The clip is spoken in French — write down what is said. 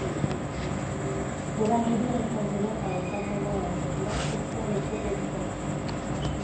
De larges baies rectangulaires à encadrement en grès blanc éclairent les pièces d'habitations.